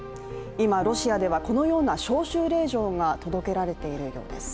今ロシアではこのような招集令状が届けられているのです。